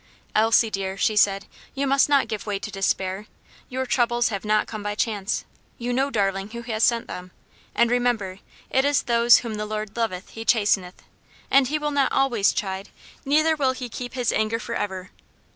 "Elsie, dear," she said, "you must not give way to despair. Your troubles have not come by chance; you know, darling, who has sent them; and remember, it is those whom the Lord loveth he chasteneth, and he will not always chide, neither will he keep his anger forever."